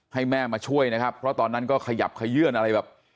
ให้แม่มาช่วยนะครับเพราะตอนนั้นก็ขยับขยื่นอะไรแบบ